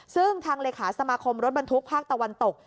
ซึ่งทางเลขาสมาคมรถบรรทุกภาคตะวันตก